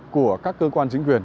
của các cơ quan chính quyền